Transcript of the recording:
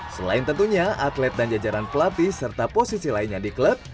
selain tentunya atlet dan jajaran pelatih serta posisi lainnya di klub